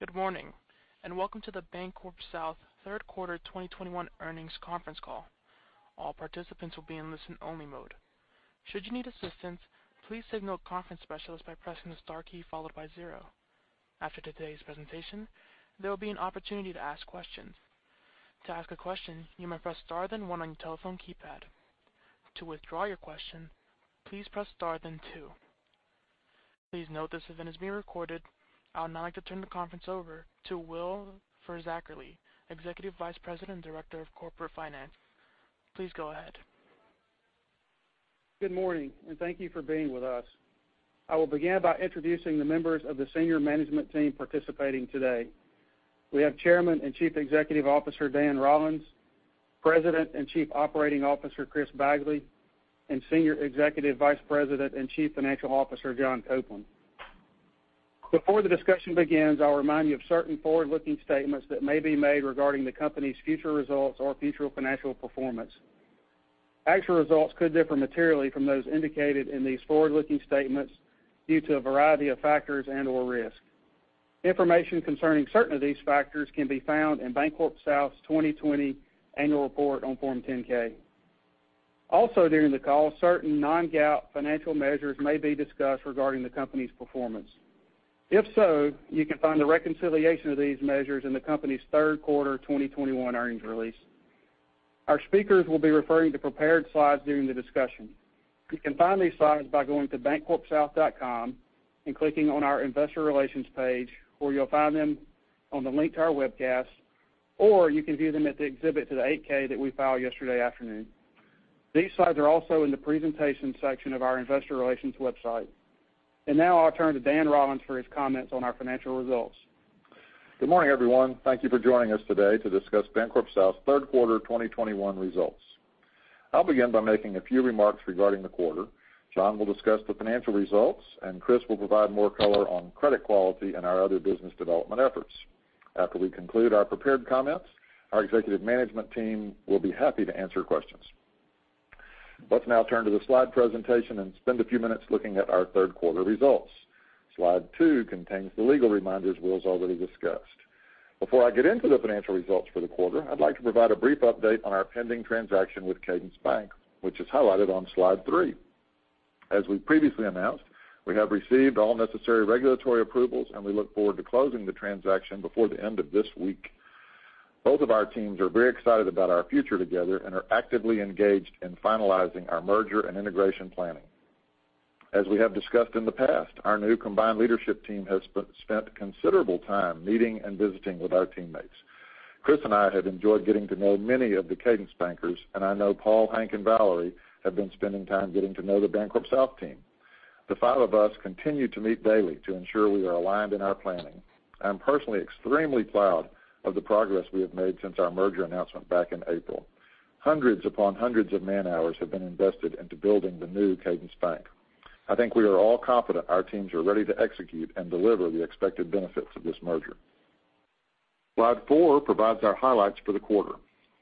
Good morning, and welcome to the BancorpSouth Q3 2021 Earnings Conference Call. All participants will be in listen-only mode. Should you need assistance, please signal a conference specialist by pressing the star key followed by zero. After today's presentation, there will be an opportunity to ask questions. To ask a question, you may press star then one on your telephone keypad. To withdraw your question, please press star then two. Please note this event is being recorded. I would now like to turn the conference over to Will Fisackerly, Executive Vice President, Director of Corporate Finance. Please go ahead. Good morning, and thank you for being with us. I will begin by introducing the members of the senior management team participating today. We have Chairman and Chief Executive Officer Dan Rollins, President and Chief Operating Officer Chris Bagley, and Senior Executive Vice President and Chief Financial Officer John Copeland. Before the discussion begins, I'll remind you of certain forward-looking statements that may be made regarding the company's future results or future financial performance. Actual results could differ materially from those indicated in these forward-looking statements due to a variety of factors and/or risk. Information concerning certain of these factors can be found in BancorpSouth's 2020 annual report on Form 10-K. Also during the call, certain non-GAAP financial measures may be discussed regarding the company's performance. If so, you can find the reconciliation of these measures in the company's Q3 2021 earnings release. Our speakers will be referring to prepared slides during the discussion. You can find these slides by going to bancorpsouth.com and clicking on our Investor Relations page, where you'll find them on the link to our webcast, or you can view them at the exhibit to the 8-K that we filed yesterday afternoon. These slides are also in the Presentation section of our Investor Relations website. Now I'll turn to Dan Rollins for his comments on our financial results. Good morning, everyone. Thank you for joining us today to discuss BancorpSouth's Q3 2021 results. I'll begin by making a few remarks regarding the quarter. John Copeland will discuss the financial results, and Chris Bagley will provide more color on credit quality and our other business development efforts. After we conclude our prepared comments, our executive management team will be happy to answer questions. Let's now turn to the slide presentation and spend a few minutes looking at our Q3 results. Slide two contains the legal reminders Will Fisackerly's already discussed. Before I get into the financial results for the quarter, I'd like to provide a brief update on our pending transaction with Cadence Bank, which is highlighted on slide three. As we previously announced, we have received all necessary regulatory approvals, and we look forward to closing the transaction before the end of this week. Both of our teams are very excited about our future together and are actively engaged in finalizing our merger and integration planning. As we have discussed in the past, our new combined leadership team has spent considerable time meeting and visiting with our teammates. Chris and I have enjoyed getting to know many of the Cadence bankers, and I know Paul, Hank, and Valerie have been spending time getting to know the BancorpSouth team. The five of us continue to meet daily to ensure we are aligned in our planning. I am personally extremely proud of the progress we have made since our merger announcement back in April. Hundreds upon hundreds of man-hours have been invested into building the new Cadence Bank. I think we are all confident our teams are ready to execute and deliver the expected benefits of this merger. Slide four provides our highlights for the quarter.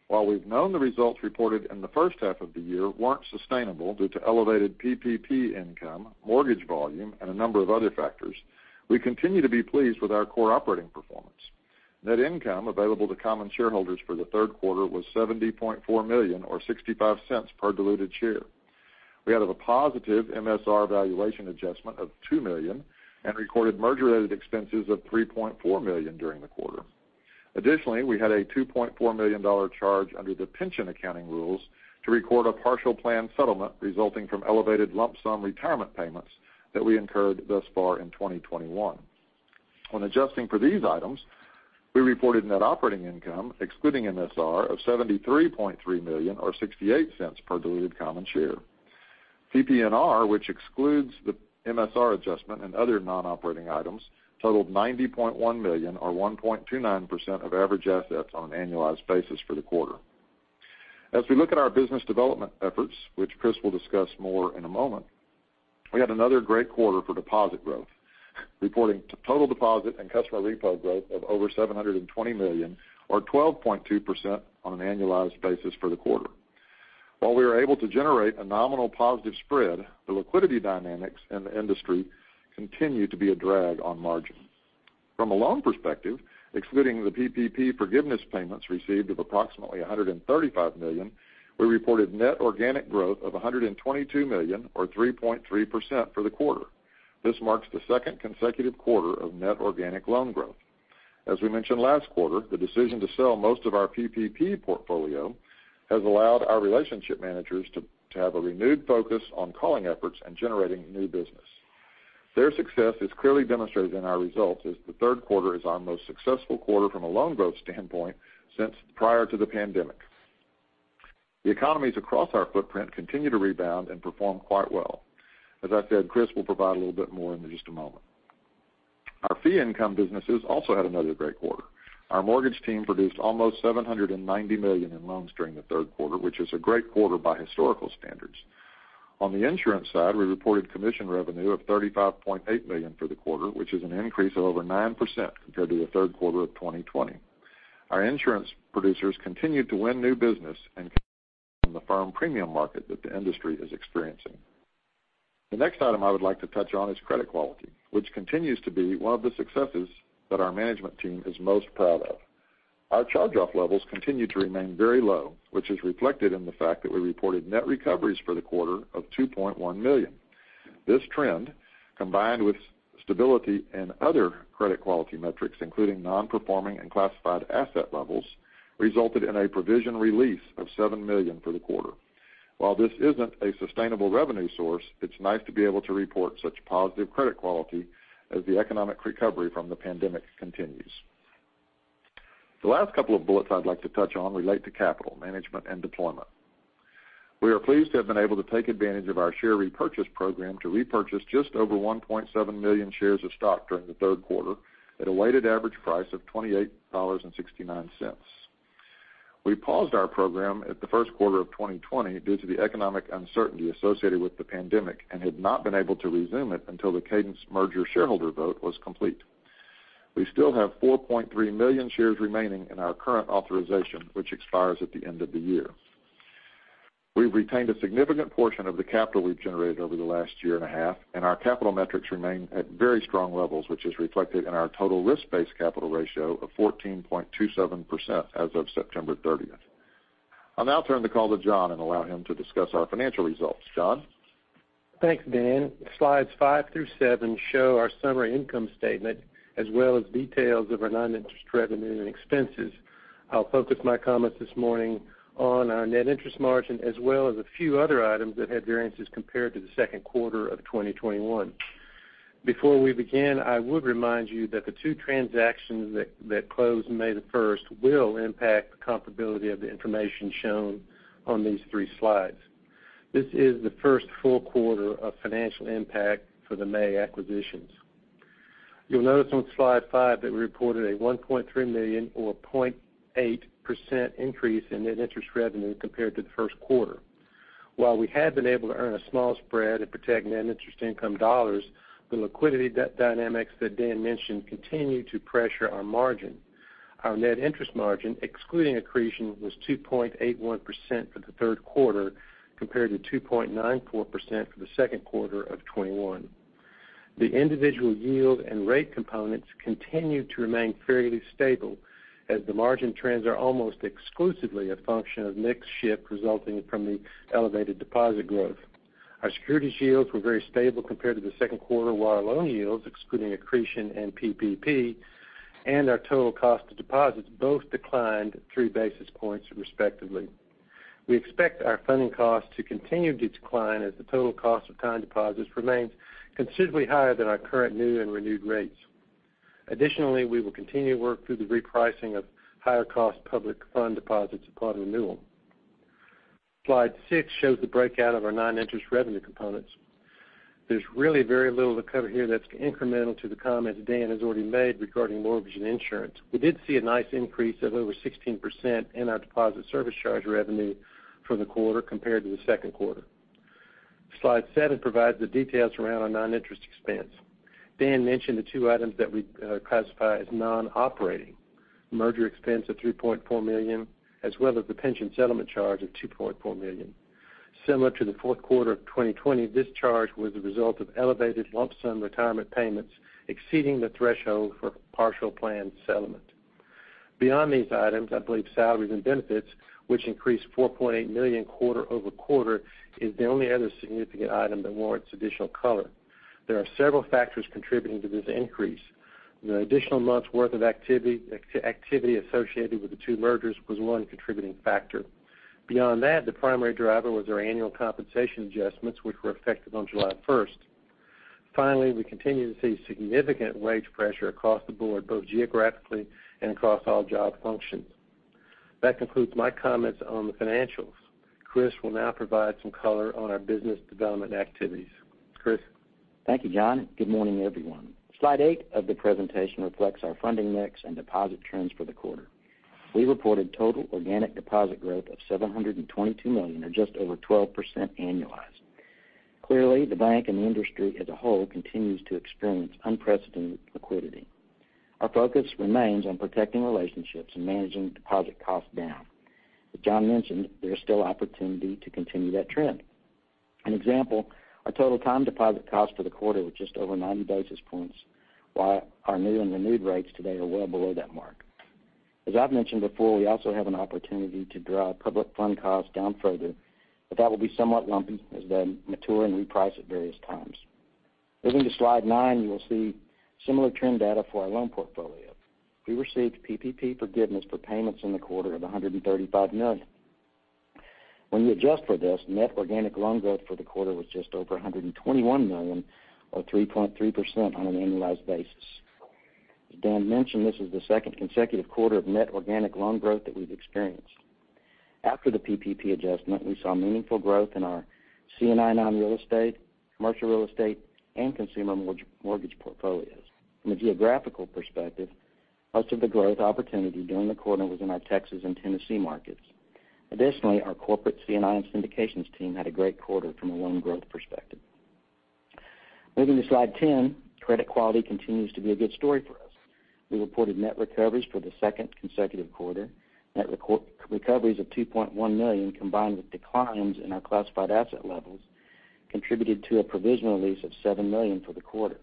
While we've known the results reported in the first half of the year weren't sustainable due to elevated PPP income, mortgage volume, and a number of other factors, we continue to be pleased with our core operating performance. Net income available to common shareholders for the Q3 was $70.4 million or $0.65 per diluted share. We had a positive MSR valuation adjustment of $2 million and recorded merger-related expenses of $3.4 million during the quarter. Additionally, we had a $2.4 million charge under the pension accounting rules to record a partial plan settlement resulting from elevated lump sum retirement payments that we incurred thus far in 2021. When adjusting for these items, we reported net operating income excluding MSR of $73.3 million or $0.68 per diluted common share. PPNR, which excludes the MSR adjustment and other non-operating items, totaled $90.1 million or 1.29% of average assets on an annualized basis for the quarter. As we look at our business development efforts, which Chris will discuss more in a moment, we had another great quarter for deposit growth, reporting total deposit and customer repo growth of over $720 million or 12.2% on an annualized basis for the quarter. While we were able to generate a nominal positive spread, the liquidity dynamics in the industry continued to be a drag on margin. From a loan perspective, excluding the PPP forgiveness payments received of approximately $135 million, we reported net organic growth of $122 million or 3.3% for the quarter. This marks the second consecutive quarter of net organic loan growth. As we mentioned last quarter, the decision to sell most of our PPP portfolio has allowed our relationship managers to have a renewed focus on calling efforts and generating new business. Their success is clearly demonstrated in our results as the Q3 is our most successful quarter from a loan growth standpoint since prior to the pandemic. The economies across our footprint continue to rebound and perform quite well. As I said, Chris will provide a little bit more in just a moment. Our fee income businesses also had another great quarter. Our mortgage team produced almost $790 million in loans during the Q3, which is a great quarter by historical standards. On the insurance side, we reported commission revenue of $35.8 million for the quarter, which is an increase of over 9% compared to the Q3 of 2020. Our insurance producers continued to win new business and from the firm premium market that the industry is experiencing. The next item I would like to touch on is credit quality, which continues to be one of the successes that our management team is most proud of. Our charge-off levels continue to remain very low, which is reflected in the fact that we reported net recoveries for the quarter of $2.1 million. This trend, combined with stability and other credit quality metrics, including non-performing and classified asset levels, resulted in a provision release of $7 million for the quarter. While this isn't a sustainable revenue source, it's nice to be able to report such positive credit quality as the economic recovery from the pandemic continues. The last couple of bullets I'd like to touch on relate to capital management and deployment. We are pleased to have been able to take advantage of our share repurchase program to repurchase just over 1.7 million shares of stock during the Q3 at a weighted average price of $28.69. We paused our program at the Q1 of 2020 due to the economic uncertainty associated with the pandemic and had not been able to resume it until the Cadence merger shareholder vote was complete. We still have 4.3 million shares remaining in our current authorization, which expires at the end of the year. We've retained a significant portion of the capital we've generated over the last year and a half, and our capital metrics remain at very strong levels, which is reflected in our total risk-based capital ratio of 14.27% as of September thirtieth. I'll now turn the call to John and allow him to discuss our financial results. John? Thanks, Dan. Slides five through seven show our summary income statement as well as details of our non-interest revenue and expenses. I'll focus my comments this morning on our net interest margin, as well as a few other items that had variances compared to the Q2 of 2021. Before we begin, I would remind you that the two transactions that closed May 1st will impact the comparability of the information shown on these three slides. This is the first full quarter of financial impact for the May acquisitions. You'll notice on slide five that we reported a $1.3 million or 0.8% increase in net interest revenue compared to the Q1. While we have been able to earn a small spread and protect net interest income dollars, the liquidity debt dynamics that Dan mentioned continue to pressure our margin. Our net interest margin, excluding accretion, was 2.81% for the Q3 compared to 2.94% for the Q2 of 2021. The individual yield and rate components continue to remain fairly stable as the margin trends are almost exclusively a function of mix shift resulting from the elevated deposit growth. Our securities yields were very stable compared to the Q2, while our loan yields, excluding accretion and PPP, and our total cost of deposits both declined three basis points respectively. We expect our funding costs to continue to decline as the total cost of time deposits remains considerably higher than our current new and renewed rates. Additionally, we will continue to work through the repricing of higher cost public fund deposits upon renewal. Slide six shows the breakout of our non-interest revenue components. There's really very little to cover here that's incremental to the comments Dan has already made regarding mortgage and insurance. We did see a nice increase of over 16% in our deposit service charge revenue for the quarter compared to the Q2. Slide seven provides the details around our non-interest expense. Dan mentioned the two items that we classify as non-operating, merger expense of $3.4 million, as well as the pension settlement charge of $2.4 million. Similar to the Q4 of 2020, this charge was a result of elevated lump sum retirement payments exceeding the threshold for partial plan settlement. Beyond these items, I believe salaries and benefits, which increased $4.8 million quarter-over-quarter, is the only other significant item that warrants additional color. There are several factors contributing to this increase. The additional month's worth of activity associated with the two mergers was one contributing factor. Beyond that, the primary driver was our annual compensation adjustments, which were effective on July 1st. Finally, we continue to see significant wage pressure across the board, both geographically and across all job functions. That concludes my comments on the financials. Chris will now provide some color on our business development activities. Chris? Thank you, John. Good morning, everyone. Slide eight of the presentation reflects our funding mix and deposit trends for the quarter. We reported total organic deposit growth of $722 million or just over 12% annualized. Clearly, the bank and the industry as a whole continues to experience unprecedented liquidity. Our focus remains on protecting relationships and managing deposit costs down. As John mentioned, there is still opportunity to continue that trend. An example, our total time deposit cost for the quarter was just over 90 basis points, while our new and renewed rates today are well below that mark. As I've mentioned before, we also have an opportunity to drive public fund costs down further, but that will be somewhat lumpy as they mature and reprice at various times. Moving to slide nine, you will see similar trend data for our loan portfolio. We received PPP forgiveness for payments in the quarter of $135 million. When you adjust for this, net organic loan growth for the quarter was just over $121 million or 3.3% on an annualized basis. As Dan mentioned, this is the second consecutive quarter of net organic loan growth that we've experienced. After the PPP adjustment, we saw meaningful growth in our C&I non-real estate, commercial real estate, and consumer mortgage portfolios. From a geographical perspective, most of the growth opportunity during the quarter was in our Texas and Tennessee markets. Additionally, our corporate C&I syndications team had a great quarter from a loan growth perspective. Moving to slide 10, credit quality continues to be a good story for us. We reported net recoveries for the second consecutive quarter. Net recoveries of $2.1 million, combined with declines in our classified asset levels, contributed to a provision release of $7 million for the quarter.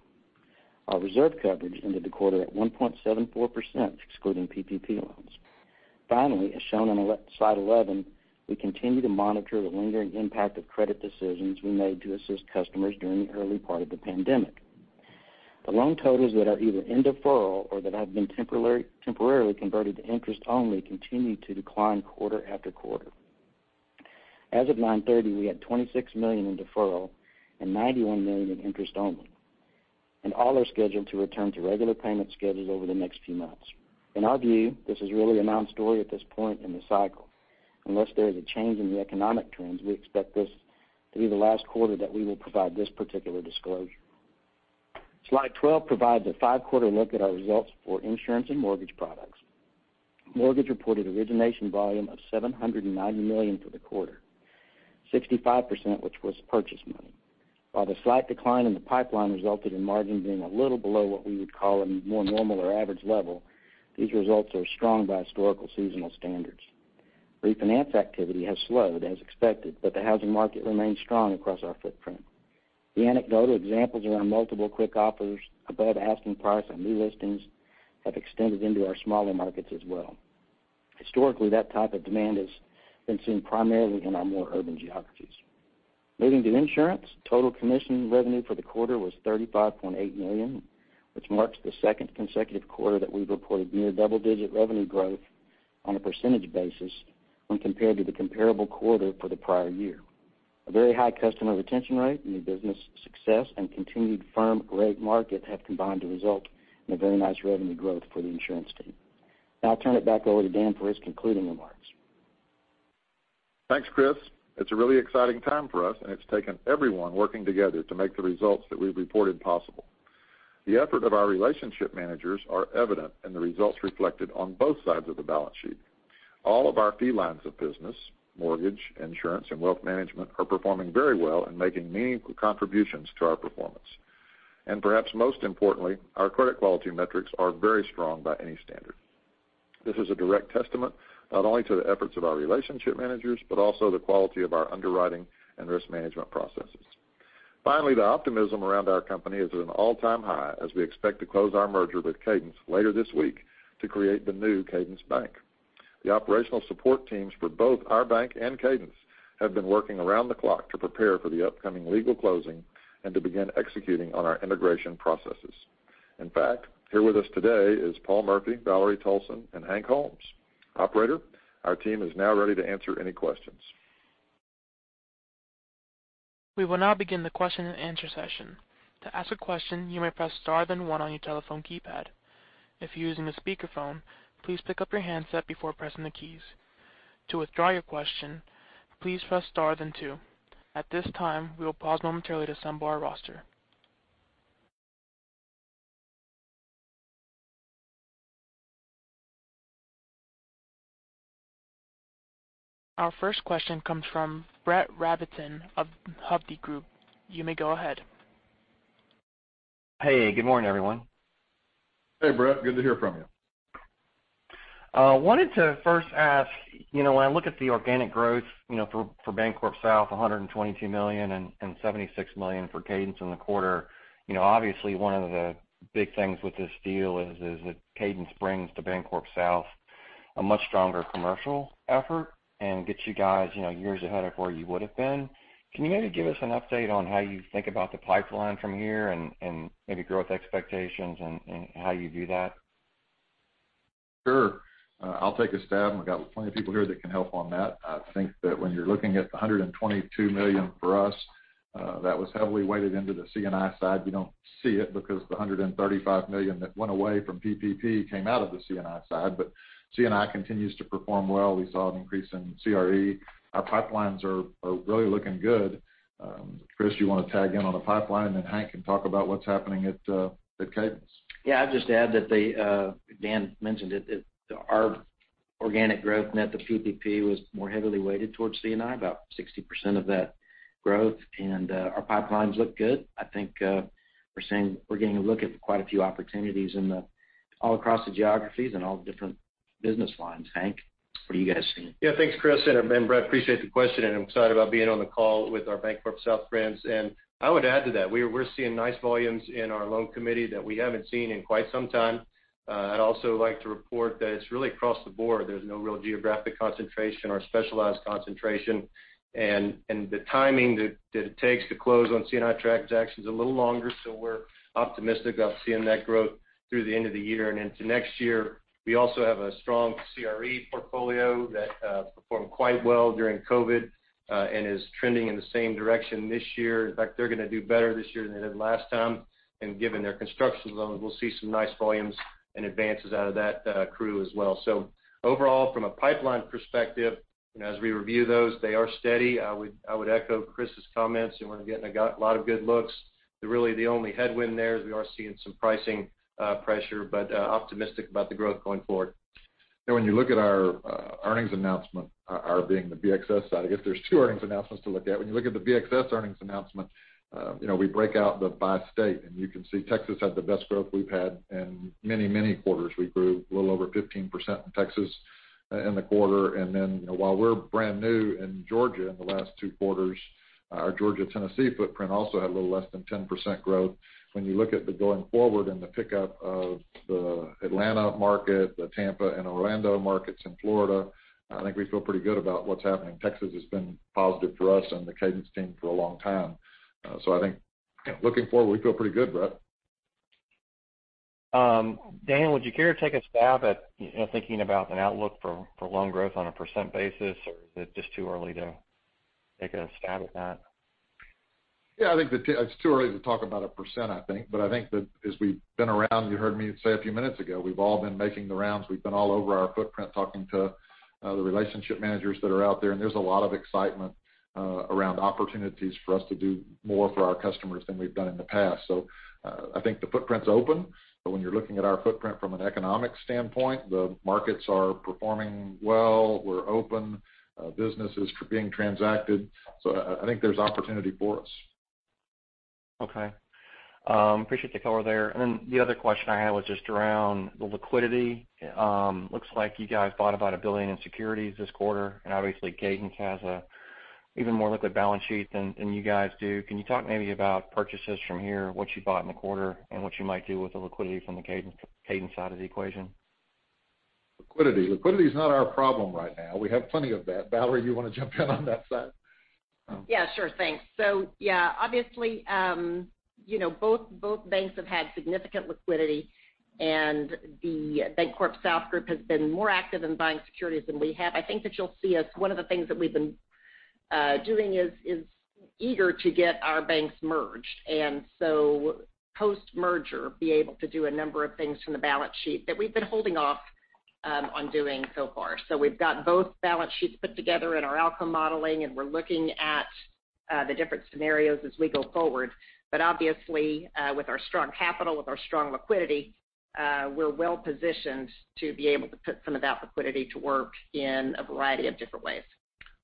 Our reserve coverage ended the quarter at 1.74%, excluding PPP loans. Finally, as shown on slide 11, we continue to monitor the lingering impact of credit decisions we made to assist customers during the early part of the pandemic. The loan totals that are either in deferral or that have been temporarily converted to interest only continue to decline quarter after quarter. As of September 30th, we had $26 million in deferral and $91 million in interest only, and all are scheduled to return to regular payment schedules over the next few months. In our view, this is really a non-story at this point in the cycle. Unless there is a change in the economic trends, we expect this to be the last quarter that we will provide this particular disclosure. Slide 12 provides a five-quarter look at our results for insurance and mortgage products. Mortgage reported origination volume of $790 million for the quarter, 65% which was purchase money. While the slight decline in the pipeline resulted in margins being a little below what we would call a more normal or average level, these results are strong by historical seasonal standards. Refinance activity has slowed as expected, but the housing market remains strong across our footprint. The anecdotal examples around multiple quick offers above asking price on new listings have extended into our smaller markets as well. Historically, that type of demand has been seen primarily in our more urban geographies. Moving to insurance, total commission revenue for the quarter was $35.8 million, which marks the second consecutive quarter that we've reported near double-digit revenue growth on a percentage basis when compared to the comparable quarter for the prior year. A very high customer retention rate, new business success, and continued firm rate market have combined to result in a very nice revenue growth for the insurance team. Now I'll turn it back over to Dan for his concluding remarks. Thanks, Chris. It's a really exciting time for us, and it's taken everyone working together to make the results that we've reported possible. The effort of our relationship managers are evident in the results reflected on both sides of the balance sheet. All of our fee lines of business, mortgage, insurance, and wealth management, are performing very well and making meaningful contributions to our performance. Perhaps most importantly, our credit quality metrics are very strong by any standard. This is a direct testament not only to the efforts of our relationship managers but also the quality of our underwriting and risk management processes. Finally, the optimism around our company is at an all-time high as we expect to close our merger with Cadence later this week to create the new Cadence Bank. The operational support teams for both our bank and Cadence have been working around the clock to prepare for the upcoming legal closing and to begin executing on our integration processes. In fact, here with us today is Paul Murphy, Valerie Toalson, and Hank Holmes. Operator, our team is now ready to answer any questions. We will now begin the Q&A session. To ask a question, you may press star then one on your telephone keypad. If you're using a speakerphone, please pick up your handset before pressing the keys. To withdraw your question, please press star then two. At this time, we will pause momentarily to assemble our roster. Our first question comes from Brett Rabatin of Hovde Group. You may go ahead. Hey, good morning, everyone. Hey, Brett, good to hear from you. Wanted to first ask, you know, when I look at the organic growth, you know, for BancorpSouth, $122 million and $76 million for Cadence in the quarter, you know, obviously one of the big things with this deal is that Cadence brings to BancorpSouth a much stronger commercial effort and gets you guys, you know, years ahead of where you would have been. Can you maybe give us an update on how you think about the pipeline from here and maybe growth expectations and how you do that? Sure. I'll take a stab, and we've got plenty of people here that can help on that. I think that when you're looking at the $122 million for us, that was heavily weighted into the C&I side. You don't see it because the $135 million that went away from PPP came out of the C&I side. C&I continues to perform well. We saw an increase in CRE. Our pipelines are really looking good. Chris, you wanna tag in on the pipeline, and then Hank can talk about what's happening at Cadence. Yeah, I'd just add that Dan mentioned it, that our organic growth net of PPP was more heavily weighted towards C&I, about 60% of that growth, and our pipelines look good. I think we're seeing quite a few opportunities all across the geographies and all the different business lines. Hank, what are you guys seeing? Yeah, thanks, Chris and Brett, appreciate the question, and I'm excited about being on the call with our BancorpSouth friends. I would add to that, we're seeing nice volumes in our loan committee that we haven't seen in quite some time. I'd also like to report that it's really across the board. There's no real geographic concentration or specialized concentration. The timing that it takes to close on C&I transactions is a little longer, so we're optimistic about seeing that growth through the end of the year and into next year. We also have a strong CRE portfolio that performed quite well during COVID and is trending in the same direction this year. In fact, they're gonna do better this year than they did last time. Given their construction loans, we'll see some nice volumes and advances out of that CRE as well. Overall, from a pipeline perspective, and as we review those, they are steady. I would echo Chris's comments, and we're getting a lot of good looks. The only headwind there is we are seeing some pricing pressure, but optimistic about the growth going forward. Now when you look at our earnings announcement, our being the BXS side, I guess there's two earnings announcements to look at. When you look at the BXS earnings announcement, you know, we break out by state, and you can see Texas had the best growth we've had in many, many quarters. We grew a little over 15% in Texas in the quarter. You know, while we're brand new in Georgia in the last two quarters, our Georgia-Tennessee footprint also had a little less than 10% growth. When you look at going forward and the pickup of the Atlanta market, the Tampa and Orlando markets in Florida, I think we feel pretty good about what's happening. Texas has been positive for us and the Cadence team for a long time. I think, you know, looking forward, we feel pretty good, Brett. Dan, would you care to take a stab at, you know, thinking about an outlook for loan growth on a % basis, or is it just too early to take a stab at that? Yeah, I think it's too early to talk about a percent, I think. I think that as we've been around, you heard me say a few minutes ago, we've all been making the rounds. We've been all over our footprint talking to the relationship managers that are out there, and there's a lot of excitement around opportunities for us to do more for our customers than we've done in the past. I think the footprint's open. When you're looking at our footprint from an economic standpoint, the markets are performing well. We're open. Business is being transacted. I think there's opportunity for us. Okay. Appreciate the color there. The other question I had was just around the liquidity. Looks like you guys bought about $1 billion in securities this quarter, and obviously, Cadence has an even more liquid balance sheet than you guys do. Can you talk maybe about purchases from here, what you bought in the quarter, and what you might do with the liquidity from the Cadence side of the equation? Liquidity. Liquidity is not our problem right now. We have plenty of that. Valerie, you wanna jump in on that side? Yeah, sure, thanks. Yeah, obviously, you know, both banks have had significant liquidity. The BancorpSouth group has been more active in buying securities than we have. I think that you'll see as one of the things that we've been doing is eager to get our banks merged. Post-merger, be able to do a number of things from the balance sheet that we've been holding off on doing so far. We've got both balance sheets put together in our outcome modeling, and we're looking at the different scenarios as we go forward. Obviously, with our strong capital, with our strong liquidity, we're well-positioned to be able to put some of that liquidity to work in a variety of different ways.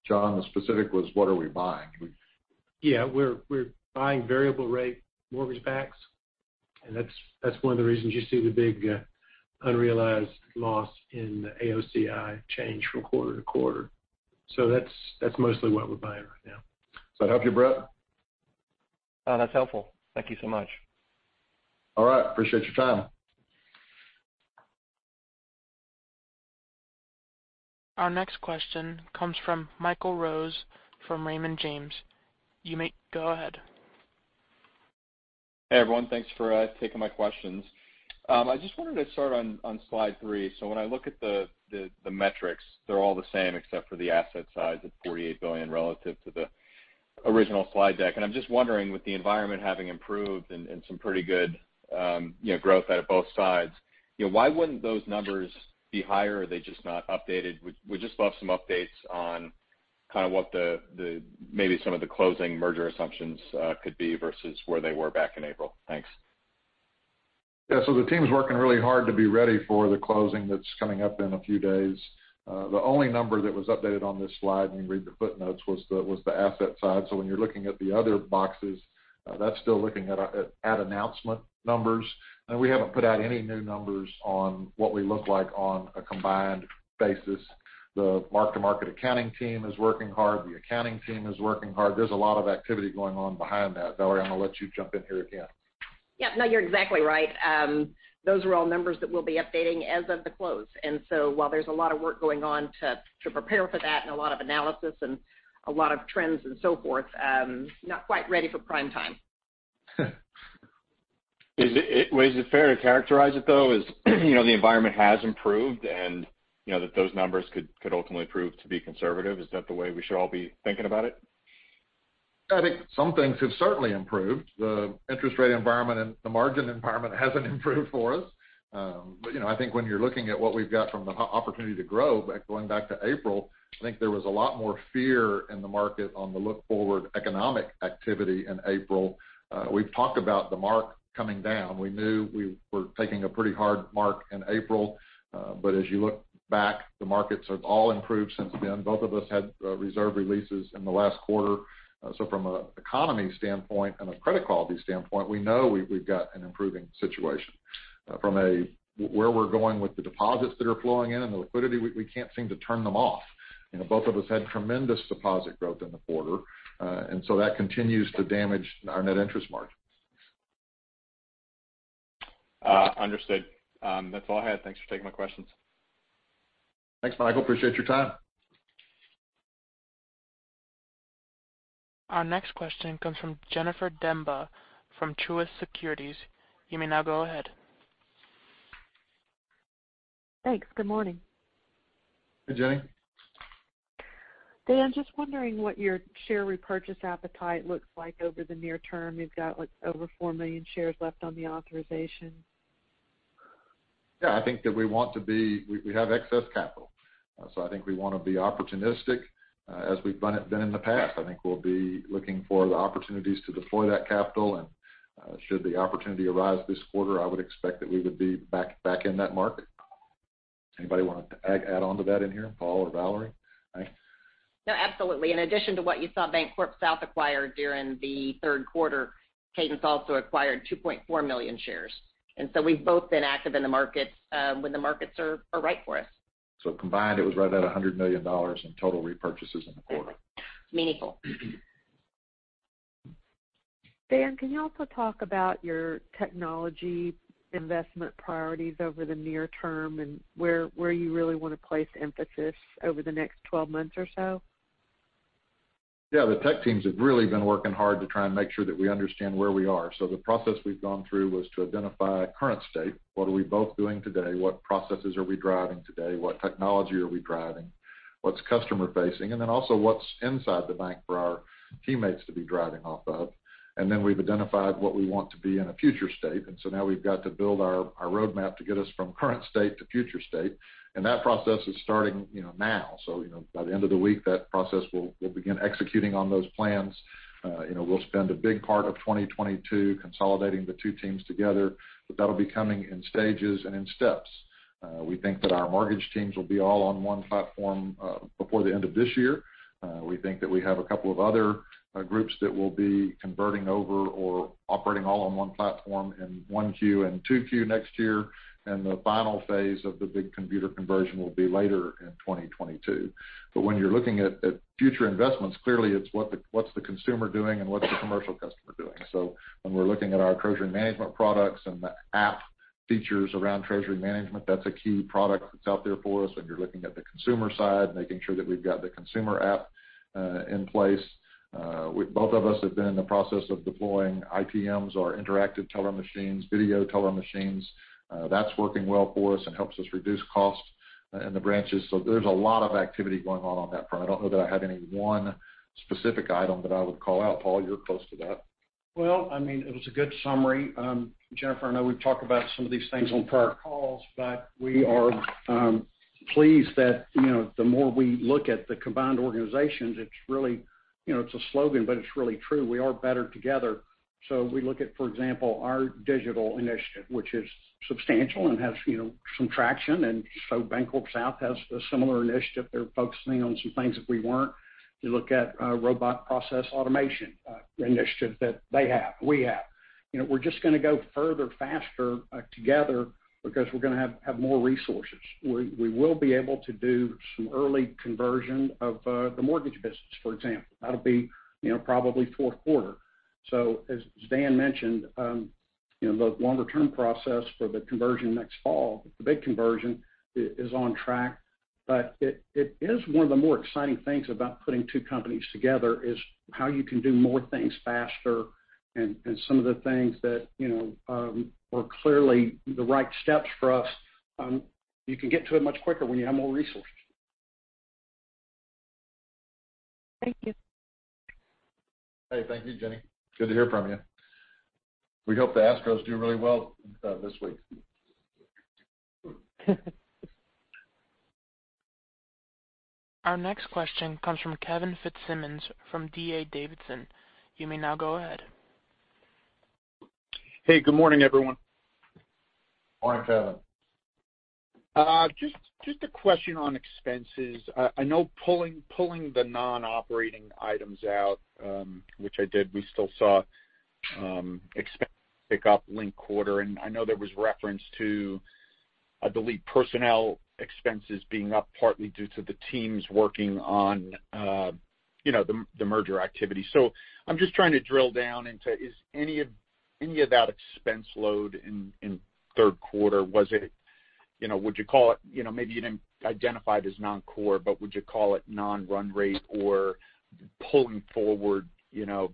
John, the specific was what are we buying? Yeah. We're buying variable rate mortgage backs, and that's one of the reasons you see the big unrealized loss in the AOCI change from quarter-to-quarter. That's mostly what we're buying right now. Does that help you, Brett? That's helpful. Thank you so much. All right. Appreciate your time. Our next question comes from Michael Rose from Raymond James. You may go ahead. Hey, everyone. Thanks for taking my questions. I just wanted to start on slide three. When I look at the metrics, they're all the same except for the asset size of $48 billion relative to the original slide deck. I'm just wondering, with the environment having improved and some pretty good, you know, growth out of both sides, you know, why wouldn't those numbers be higher? Are they just not updated? Would just love some updates on kind of what the maybe some of the closing merger assumptions could be versus where they were back in April. Thanks. Yeah. The team's working really hard to be ready for the closing that's coming up in a few days. The only number that was updated on this slide, when you read the footnotes, was the asset side. When you're looking at the other boxes, that's still looking at announcement numbers. We haven't put out any new numbers on what we look like on a combined basis. The mark-to-market accounting team is working hard. The accounting team is working hard. There's a lot of activity going on behind that. Valerie, I'm gonna let you jump in here again. Yep. No, you're exactly right. Those are all numbers that we'll be updating as of the close. While there's a lot of work going on to prepare for that and a lot of analysis and a lot of trends and so forth, not quite ready for primetime. Is it, well, is it fair to characterize it, though, as, you know, the environment has improved and, you know, that those numbers could ultimately prove to be conservative? Is that the way we should all be thinking about it? I think some things have certainly improved. The interest rate environment and the margin environment hasn't improved for us. You know, I think when you're looking at what we've got from the opportunity to grow, like going back to April, I think there was a lot more fear in the market on the look-forward economic activity in April. We've talked about the mark coming down. We knew we were taking a pretty hard mark in April. As you look back, the markets have all improved since then. Both of us had reserve releases in the last quarter. From an economy standpoint and a credit quality standpoint, we know we've got an improving situation. From where we're going with the deposits that are flowing in and the liquidity, we can't seem to turn them off. You know, both of us had tremendous deposit growth in the quarter, and so that continues to damage our net interest margins. Understood. That's all I had. Thanks for taking my questions. Thanks, Michael. I appreciate your time. Our next question comes from Jennifer Demba from Truist Securities. You may now go ahead. Thanks. Good morning. Hey, Jenny. Dan, just wondering what your share repurchase appetite looks like over the near term. You've got, like, over 4 million shares left on the authorization. I think that we have excess cash. So I think we wanna be opportunistic, as we've done in the past. I think we'll be looking for the opportunities to deploy that capital. Should the opportunity arise this quarter, I would expect that we would be back in that market. Anybody want to add on to that in here, Paul or Valerie? I No, absolutely. In addition to what you saw BancorpSouth acquire during the Q3, Cadence also acquired 2.4 million shares. We've both been active in the markets when the markets are right for us. Combined, it was right at $100 million in total repurchases in the quarter. Exactly. Meaningful. Dan, can you also talk about your technology investment priorities over the near term and where you really wanna place emphasis over the next 12 months or so? Yeah. The tech teams have really been working hard to try and make sure that we understand where we are. The process we've gone through was to identify current state. What are we both doing today? What processes are we driving today? What technology are we driving? What's customer facing? And then also what's inside the bank for our teammates to be driving off of. Then we've identified what we want to be in a future state. Now we've got to build our roadmap to get us from current state to future state. That process is starting, you know, now. By the end of the week, that process will begin executing on those plans. You know, we'll spend a big part of 2022 consolidating the two teams together, but that'll be coming in stages and in steps. We think that our mortgage teams will be all on one platform before the end of this year. We think that we have a couple of other groups that will be converting over or operating all on one platform in Q1 and Q2 next year. The final phase of the big computer conversion will be later in 2022. When you're looking at future investments, clearly it's what's the consumer doing and what's the commercial customer doing. When we're looking at our treasury management products and the app features around treasury management, that's a key product that's out there for us. When you're looking at the consumer side, making sure that we've got the consumer app in place. Both of us have been in the process of deploying ITMs or interactive teller machines, video teller machines. That's working well for us and helps us reduce costs in the branches. There's a lot of activity going on on that front. I don't know that I have any one specific item that I would call out. Paul, you're close to that. Well, I mean, it was a good summary. Jennifer, I know we've talked about some of these things on prior calls, but we are pleased that, you know, the more we look at the combined organizations, it's really, you know, it's a slogan, but it's really true. We are better together. We look at, for example, our digital initiative, which is substantial and has, you know, some traction. BancorpSouth has a similar initiative. They're focusing on some things that we weren't. You look at robotic process automation initiative that they have, we have. You know, we're just gonna go further, faster together because we're gonna have more resources. We will be able to do some early conversion of the mortgage business, for example. That'll be, you know, probably Q4. As Dan mentioned, you know, the longer-term process for the conversion next fall, the big conversion is on track. It is one of the more exciting things about putting two companies together is how you can do more things faster and some of the things that, you know, were clearly the right steps for us. You can get to it much quicker when you have more resources. Thank you. Hey, thank you, Jenny. Good to hear from you. We hope the Astros do really well, this week. Our next question comes from Kevin Fitzsimmons from D.A. Davidson. You may now go ahead. Hey, good morning, everyone. Morning, Kevin. Just a question on expenses. I know pulling the non-operating items out, which I did, we still saw expense pick up linked quarter. I know there was reference to, I believe, personnel expenses being up partly due to the teams working on, you know, the merger activity. I'm just trying to drill down into, is any of that expense load in Q3, was it, you know, would you call it, you know, maybe you didn't identify it as non-core, but would you call it non-run rate or pulling forward, you know,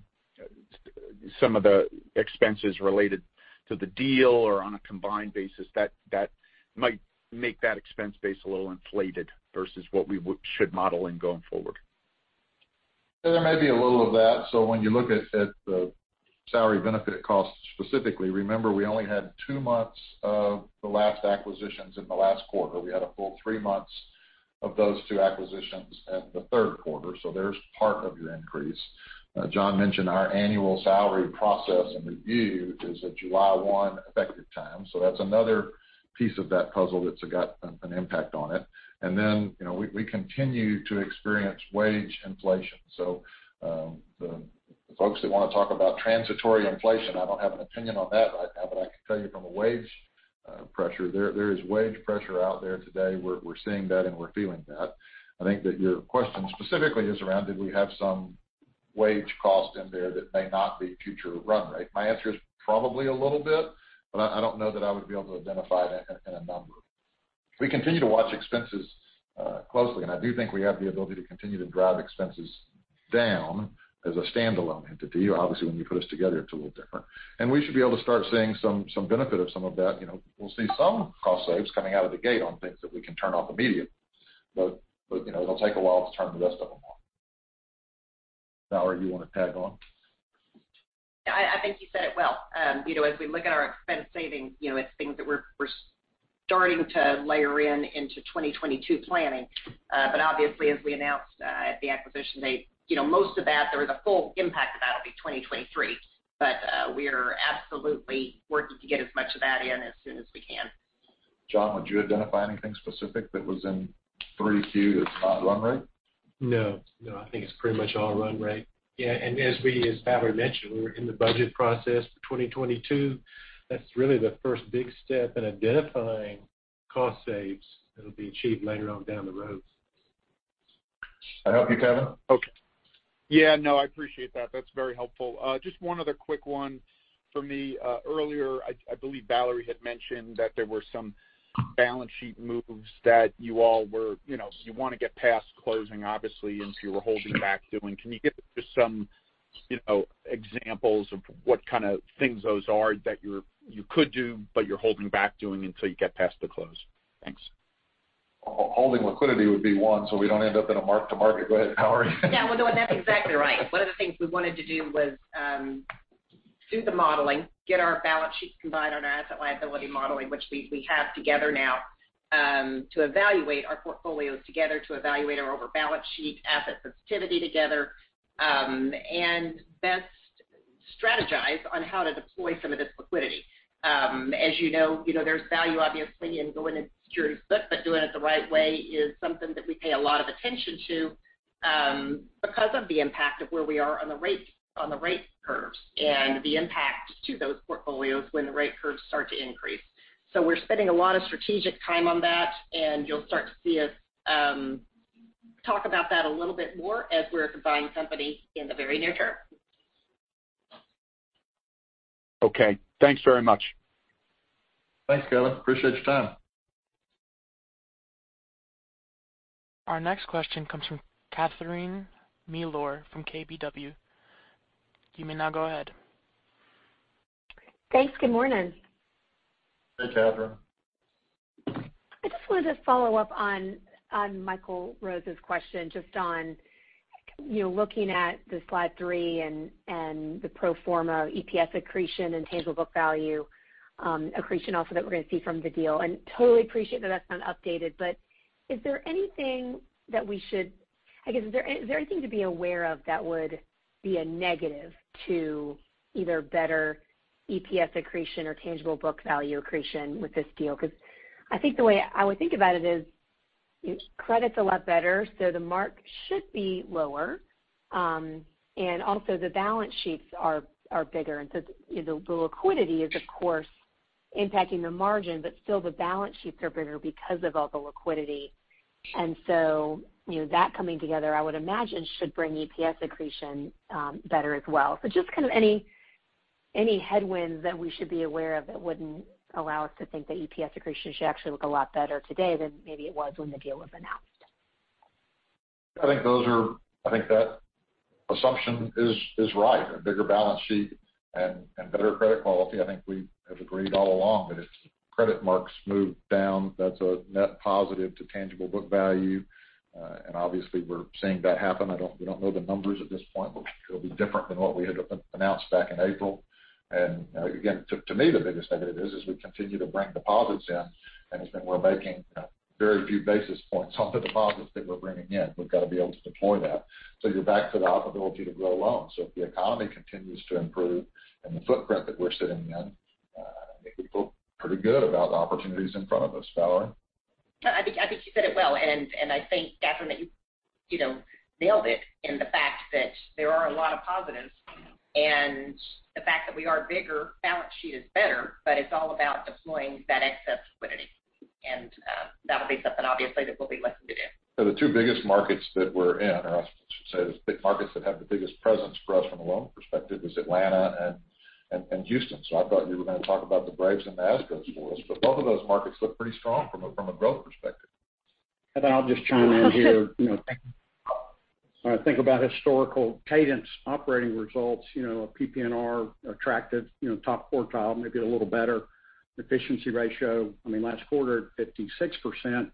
some of the expenses related to the deal or on a combined basis that might make that expense base a little inflated versus what we should model in going forward? There may be a little of that. When you look at the salary benefit costs specifically, remember we only had two months of the last acquisitions in the last quarter. We had a full three months of those two acquisitions in the Q3. There's part of your increase. John mentioned our annual salary process and review is a July 1st effective time. That's another piece of that puzzle that's got an impact on it. Then, you know, we continue to experience wage inflation. The folks that wanna talk about transitory inflation, I don't have an opinion on that right now, but I can tell you from a wage pressure there is wage pressure out there today. We're seeing that, and we're feeling that. I think that your question specifically is around, did we have some wage cost in there that may not be future run rate? My answer is probably a little bit, but I don't know that I would be able to identify that in a number. We continue to watch expenses closely, and I do think we have the ability to continue to drive expenses down as a standalone entity. Obviously, when you put us together, it's a little different. We should be able to start seeing some benefit of some of that. You know, we'll see some cost saves coming out of the gate on things that we can turn on immediately. But you know, it'll take a while to turn the rest of them on. Valerie, you want to tag on? Yeah, I think you said it well. You know, as we look at our expense savings, you know, it's things that we're starting to layer in into 2022 planning. Obviously, as we announced, at the acquisition date, you know, most of that or the full impact of that'll be 2023. We are absolutely working to get as much of that in as soon as we can. John, would you identify anything specific that was in Q3 that's not run rate? No. No, I think it's pretty much all run rate. Yeah, as Valerie mentioned, we're in the budget process for 2022. That's really the first big step in identifying cost saves that'll be achieved later on down the road. That help you, Kevin? Okay. Yeah. No, I appreciate that. That's very helpful. Just one other quick one for me. Earlier, I believe Valerie had mentioned that there were some balance sheet moves that you all were, you know, so you want to get past closing, obviously, and so you were holding back doing. Can you give just some, you know, examples of what kind of things those are that you're, you could do, but you're holding back doing until you get past the close? Thanks. Holding liquidity would be one, so we don't end up in a mark-to-market. Go ahead, Valerie. Yeah. Well, no, that's exactly right. One of the things we wanted to do was do the modeling, get our balance sheets combined on our asset liability modeling, which we have together now, to evaluate our portfolios together, to evaluate our overall balance sheet asset sensitivity together, and best strategize on how to deploy some of this liquidity. As you know, there's value obviously in going into security split, but doing it the right way is something that we pay a lot of attention to, because of the impact of where we are on the rate curves and the impact to those portfolios when the rate curves start to increase. We're spending a lot of strategic time on that, and you'll start to see us talk about that a little bit more as we're combining companies in the very near term. Okay. Thanks very much. Thanks, Kevin. I appreciate your time. Our next question comes from Catherine Mealor from KBW. You may now go ahead. Thanks. Good morning. Hey, Catherine. I just wanted to follow up on Michael Rose's question, just on, you know, looking at the slide three and the pro forma EPS accretion and tangible book value accretion also that we're going to see from the deal. Totally appreciate that that's not updated, but I guess, is there anything to be aware of that would be a negative to either better EPS accretion or tangible book value accretion with this deal? Because I think the way I would think about it is credit's a lot better, so the mark should be lower. Also the balance sheets are bigger. The liquidity is of course impacting the margin, but still the balance sheets are bigger because of all the liquidity. you know, that coming together, I would imagine, should bring EPS accretion, better as well. Just kind of any headwinds that we should be aware of that wouldn't allow us to think that EPS accretion should actually look a lot better today than maybe it was when the deal was announced. I think that assumption is right. A bigger balance sheet and better credit quality. I think we have agreed all along that if credit marks move down, that's a net positive to tangible book value. Obviously we're seeing that happen. We don't know the numbers at this point, but it'll be different than what we had announced back in April. Again, to me, the biggest negative is as we continue to bring deposits in, and we're making very few basis points on the deposits that we're bringing in. We've got to be able to deploy that. You're back to the opportunity to grow loans. If the economy continues to improve in the footprint that we're sitting in, I think we feel pretty good about the opportunities in front of us. Valerie? No, I think you said it well. I think, Catherine, that you know nailed it in the fact that there are a lot of positives. The fact that we are bigger, balance sheet is better, but it's all about deploying that excess liquidity. That'll be something obviously that we'll be looking to do. The two biggest markets that we're in, or I should say the markets that have the biggest presence for us from a loan perspective is Atlanta and Houston. I thought you were going to talk about the Braves and the Astros for us. Both of those markets look pretty strong from a growth perspective. I'll just chime in here. You know, when I think about historical Cadence operating results, you know, a PPNR attractive, you know, top quartile, maybe a little better efficiency ratio. I mean, last quarter, 56%.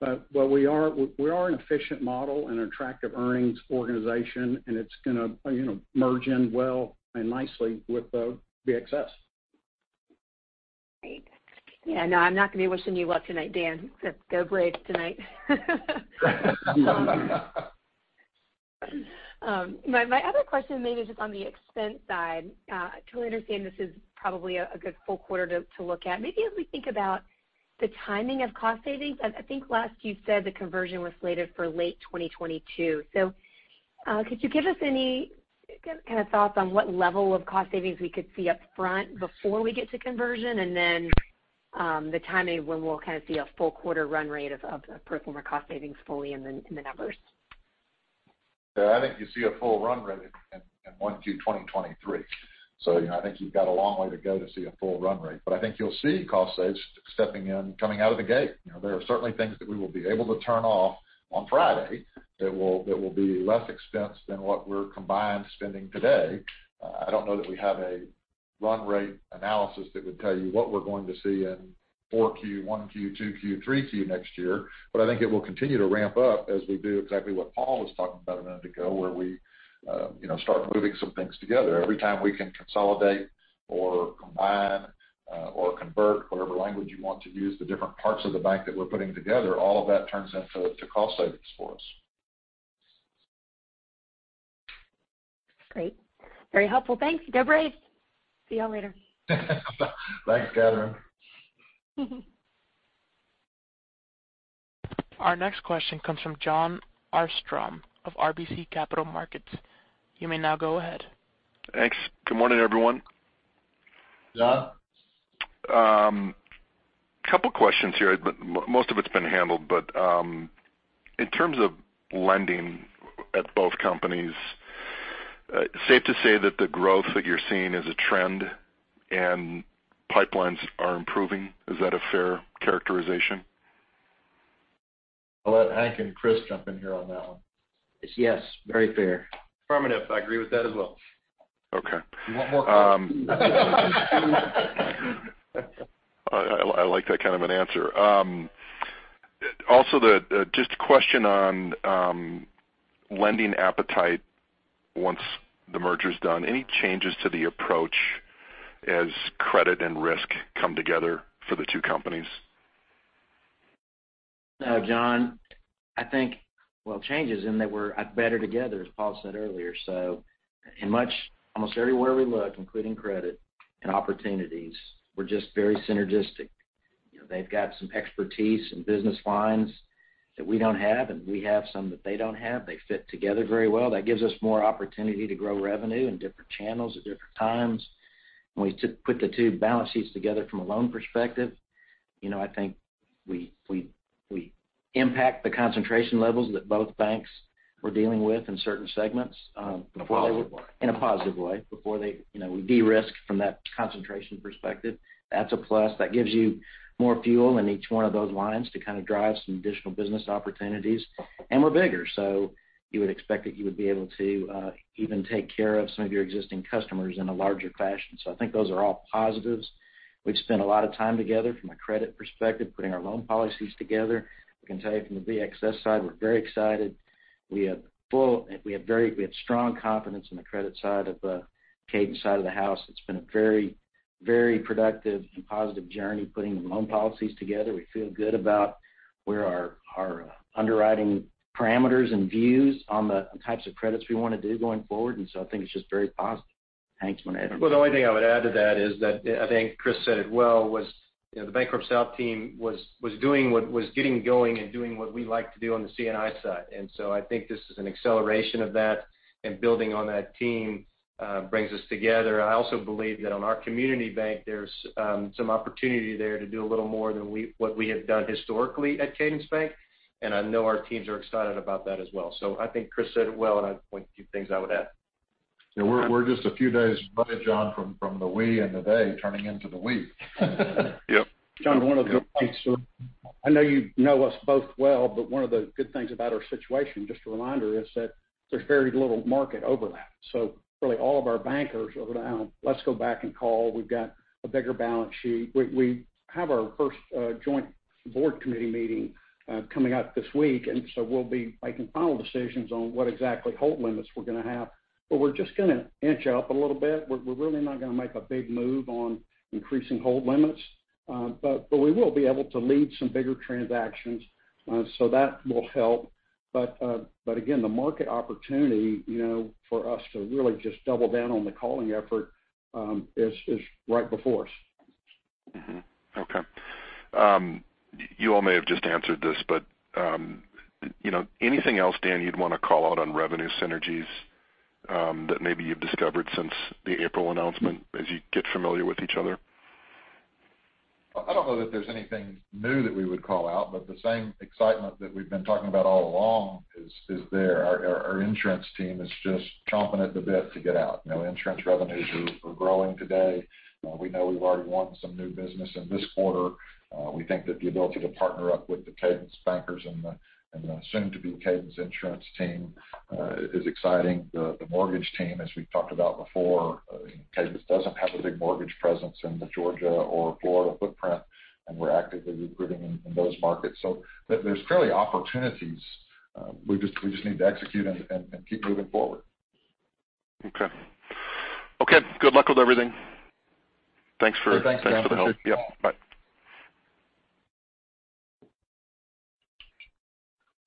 But we are an efficient model and attractive earnings organization, and it's gonna, you know, merge in well and nicely with BXS. Great. Yeah, no, I'm not going to be wishing you well tonight, Dan. Go Braves tonight. My other question maybe just on the expense side. Totally understand this is probably a good full quarter to look at. Maybe as we think about the timing of cost savings, I think last you said the conversion was slated for late 2022. Could you give us any kind of thoughts on what level of cost savings we could see up front before we get to conversion? The timing when we'll kind of see a full quarter run rate of pro forma cost savings fully in the numbers. Yeah. I think you see a full run rate in 1Q 2023. You know, I think you've got a long way to go to see a full run rate. I think you'll see cost saves stepping in, coming out of the gate. You know, there are certainly things that we will be able to turn off on Friday that will be less expense than what we're combined spending today. I don't know that we have a run rate analysis that would tell you what we're going to see in Q4, Q1, Q2, Q3 next year. I think it will continue to ramp up as we do exactly what Paul was talking about a minute ago, where we you know start moving some things together. Every time we can consolidate or combine, or convert whatever language you want to use, the different parts of the bank that we're putting together, all of that turns into cost savings for us. Great. Very helpful. Thanks. Debra Ace. See y'all later. Thanks, Catherine. Our next question comes from Jon Arfstrom of RBC Capital Markets. You may now go ahead. Thanks. Good morning, everyone. Jon. Couple questions here, but most of it's been handled. In terms of lending at both companies, safe to say that the growth that you're seeing is a trend and pipelines are improving. Is that a fair characterization? I'll let Hank and Chris jump in here on that one. Yes, very fair. Affirmative. I agree with that as well. Okay. You want more quotes? I like that kind of an answer. Also, just a question on lending appetite once the merger is done. Any changes to the approach as credit and risk come together for the two companies? No, Jon, I think, well, changes in that we're better together, as Paul said earlier. In much, almost everywhere we look, including credit and opportunities, we're just very synergistic. You know, they've got some expertise in business lines that we don't have, and we have some that they don't have. They fit together very well. That gives us more opportunity to grow revenue in different channels at different times. When we put the two balance sheets together from a loan perspective, you know, I think we impact the concentration levels that both banks were dealing with in certain segments. In a positive way. In a positive way. Before they, we de-risk from that concentration perspective. That's a plus. That gives you more fuel in each one of those lines to kind of drive some additional business opportunities. We're bigger, so you would expect that you would be able to even take care of some of your existing customers in a larger fashion. I think those are all positives. We've spent a lot of time together from a credit perspective, putting our loan policies together. I can tell you from the BXS side, we're very excited. We have strong confidence in the credit side of the Cadence side of the house. It's been a very, very productive and positive journey putting the loan policies together. We feel good about where our underwriting parameters and views on the types of credits we want to do going forward. I think it's just very positive. Hank, you want to add anything? Well, the only thing I would add to that is that I think Chris said it well, you know, the BancorpSouth team was doing what was getting going and doing what we like to do on the C&I side. I think this is an acceleration of that, and building on that team brings us together. I also believe that on our community bank, there's some opportunity there to do a little more than we have done historically at Cadence Bank, and I know our teams are excited about that as well. I think Chris said it well, and a few things I would add. Yeah, we're just a few days away, Jon, from the we and the they turning into the we. Yep. Jon, one of the good things, I know you know us both well, but one of the good things about our situation, just a reminder, is that there's very little market overlap. Really all of our bankers are going to. Let's go back and call. We've got a bigger balance sheet. We have our first joint board committee meeting coming up this week, and so we'll be making final decisions on what exactly hold limits we're going to have. We're just going to inch up a little bit. We're really not going to make a big move on increasing hold limits, but we will be able to lead some bigger transactions, so that will help. Again, the market opportunity, you know, for us to really just double down on the calling effort, is right before us. Mm-hmm. Okay. You all may have just answered this, but, you know, anything else, Dan, you'd want to call out on revenue synergies that maybe you've discovered since the April announcement as you get familiar with each other? I don't know that there's anything new that we would call out, but the same excitement that we've been talking about all along is there. Our insurance team is just chomping at the bit to get out. You know, insurance revenues are growing today. We know we've already won some new business in this quarter. We think that the ability to partner up with the Cadence bankers and the soon to be Cadence insurance team is exciting. The mortgage team, as we've talked about before, Cadence doesn't have a big mortgage presence in the Georgia or Florida footprint, and we're actively recruiting in those markets. There's clearly opportunities. We just need to execute and keep moving forward. Okay, good luck with everything. Thanks for. Thanks. Thanks for the help. Yep. Bye.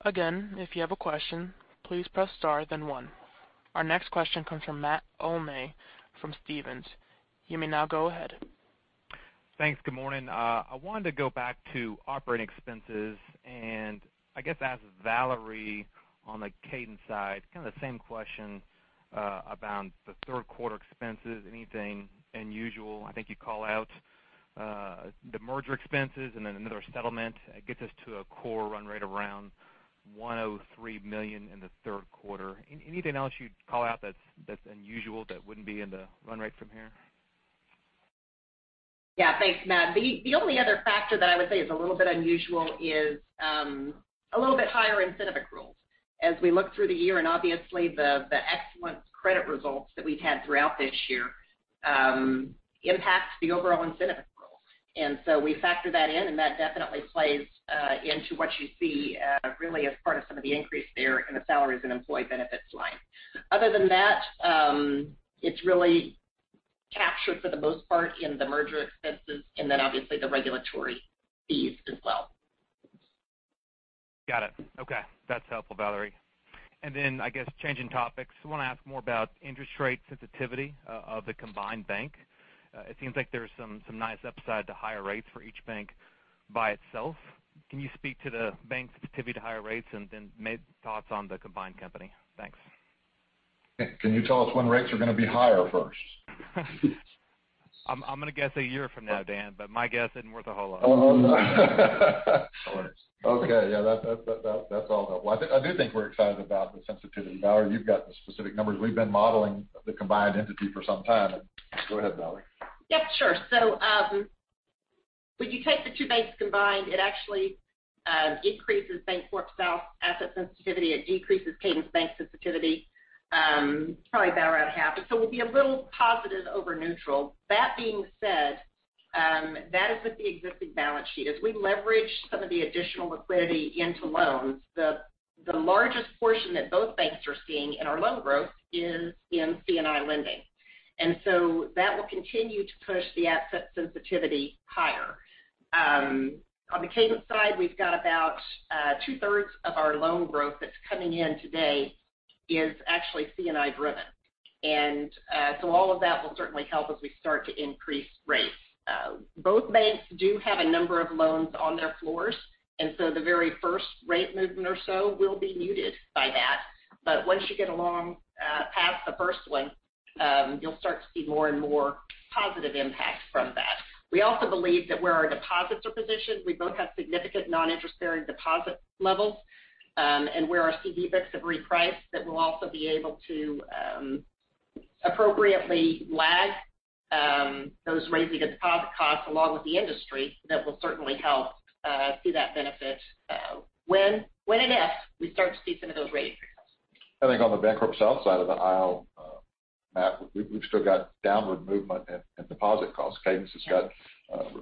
Again, if you have a question, please press star then one. Our next question comes from Matt Olney from Stephens. You may now go ahead. Thanks. Good morning. I wanted to go back to operating expenses and I guess ask Valerie on the Cadence side kind of the same question about the Q3 expenses. Anything unusual? I think you call out the merger expenses and then another settlement that gets us to a core run rate around $103 million in the Q3. Anything else you'd call out that's unusual that wouldn't be in the run rate from here? Yeah. Thanks, Matt. The only other factor that I would say is a little bit unusual is a little bit higher incentive accruals. As we look through the year and obviously the excellent credit results that we've had throughout this year impacts the overall incentive accrual. We factor that in, and that definitely plays into what you see really as part of some of the increase there in the salaries and employee benefits line. Other than that, it's really captured for the most part in the merger expenses and then obviously the regulatory fees as well. Got it. Okay. That's helpful, Valerie. I guess, changing topics. I wanna ask more about interest rate sensitivity of the combined bank. It seems like there's some nice upside to higher rates for each bank by itself. Can you speak to the bank sensitivity to higher rates and then maybe thoughts on the combined company? Thanks. Can you tell us when rates are gonna be higher first? I'm gonna guess a year from now, Dan, but my guess isn't worth a whole lot. Oh. Okay. Yeah, that's all helpful. I do think we're excited about the sensitivity. Valerie, you've got the specific numbers. We've been modeling the combined entity for some time. Go ahead, Valerie. Yeah, sure. When you take the two banks combined, it actually increases BancorpSouth asset sensitivity. It decreases Cadence Bank sensitivity, probably about half. We'll be a little positive over neutral. That being said, that is with the existing balance sheet. As we leverage some of the additional liquidity into loans, the largest portion that both banks are seeing in our loan growth is in C&I lending. That will continue to push the asset sensitivity higher. On the Cadence side, we've got about two-thirds of our loan growth that's coming in today is actually C&I driven. All of that will certainly help as we start to increase rates. Both banks do have a number of loans on their floors, and so the very first rate movement or so will be muted by that. Once you get along past the first one, you'll start to see more and more positive impact from that. We also believe that where our deposits are positioned, we both have significant non-interest-bearing deposit levels, and where our CDs have repriced, that we'll also be able to appropriately lag the rising deposit costs along with the industry. That will certainly help see that benefit, when and if we start to see some of those rate increases. I think on the BancorpSouth side of the aisle, Matt, we've still got downward movement in deposit costs. Cadence has got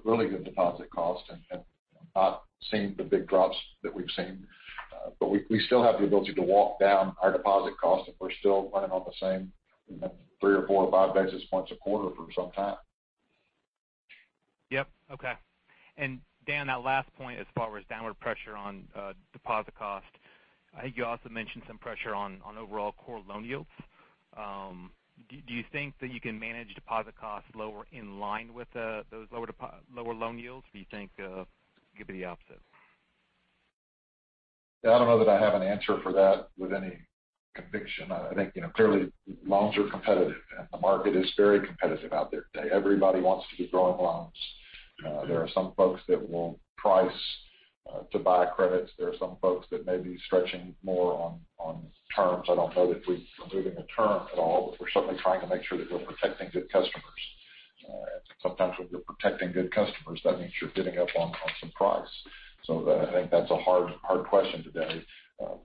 really good deposit costs and have not seen the big drops that we've seen. But we still have the ability to walk down our deposit costs, and we're still running on the same 3 or 4 or 5 basis points a quarter for some time. Yep. Okay. Dan, that last point as far as downward pressure on deposit cost, I think you also mentioned some pressure on overall core loan yields. Do you think that you can manage deposit costs lower in line with those lower loan yields? Do you think it could be the opposite? I don't know that I have an answer for that with any conviction. I think, you know, clearly loans are competitive and the market is very competitive out there today. Everybody wants to be growing loans. There are some folks that will price to buy credits. There are some folks that may be stretching more on terms. I don't know that we're losing a term at all, but we're certainly trying to make sure that we're protecting good customers. Sometimes when you're protecting good customers, that means you're giving up on some price. I think that's a hard question today.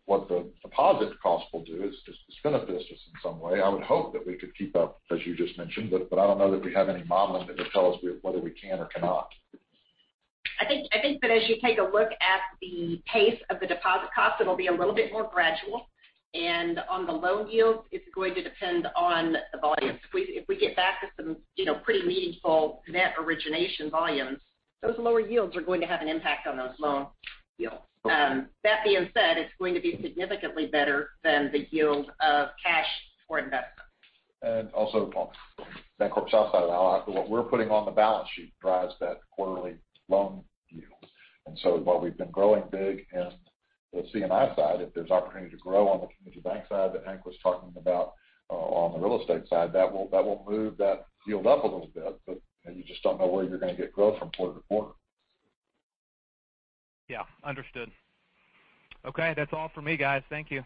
What the deposit costs will do is just benefit us in some way. I would hope that we could keep up, as you just mentioned, but I don't know that we have any modeling that would tell us whether we can or cannot. I think that as you take a look at the pace of the deposit cost, it'll be a little bit more gradual. On the loan yield, it's going to depend on the volume. If we get back to some, you know, pretty meaningful net origination volumes, those lower yields are going to have an impact on those loan yields. That being said, it's going to be significantly better than the yield of cash for investment. Also on BancorpSouth side of the aisle, what we're putting on the balance sheet drives that quarterly loan yield. While we've been growing big in the C&I side, if there's opportunity to grow on the community bank side that Hank was talking about, on the real estate side, that will move that yield up a little bit, but you just don't know where you're going to get growth from quarter-to-quarter. Yeah, understood. Okay. That's all for me, guys. Thank you.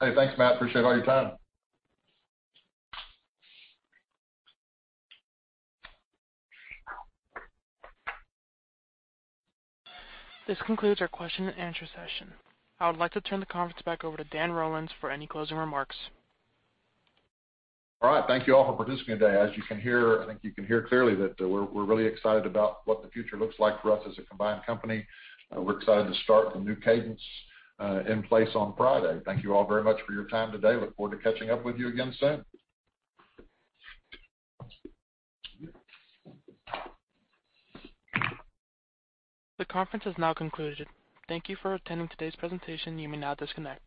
Hey, thanks, Matt. I appreciate all your time. This concludes our Q&A session. I would like to turn the conference back over to Dan Rollins for any closing remarks. All right. Thank you all for participating today. As you can hear, I think you can hear clearly that we're really excited about what the future looks like for us as a combined company. We're excited to start the new Cadence in place on Friday. Thank you all very much for your time today. I look forward to catching up with you again soon. The Conference has now concluded. Thank you for attending today's presentation. You may now disconnect.